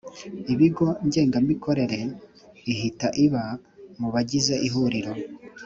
ibigo Ngengamikorere ihita iba mu bagize Ihuriro